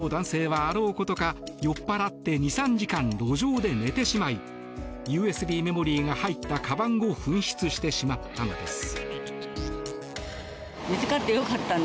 その後、男性はあろうことか酔っぱらって２３時間路上で寝てしまいＵＳＢメモリーが入ったかばんを紛失してしまったのです。